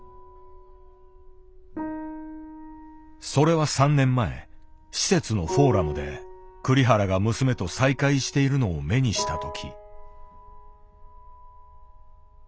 それは３年前施設のフォーラムで栗原が娘と再会しているのを目にした時。